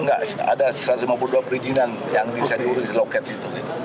enggak ada satu ratus lima puluh dua perhijinan yang bisa diurus di loket situ